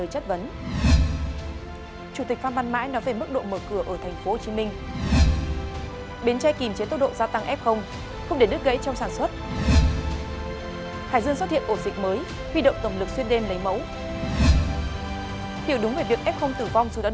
hãy đăng ký kênh để ủng hộ kênh của chúng mình nhé